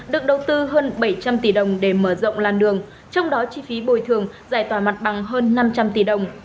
được đầu tư hơn bảy trăm linh tỷ đồng để mở rộng làn đường trong đó chi phí bồi thường giải tỏa mặt bằng hơn năm trăm linh tỷ đồng